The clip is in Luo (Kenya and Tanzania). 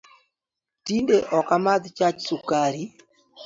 Tinde ok amadh chach sukari